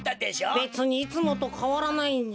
べつにいつもとかわらないんじゃ。